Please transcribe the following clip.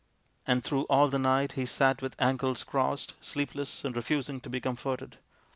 And through all the night he sat with ankles crossed, sleepless and refusing to be comforted.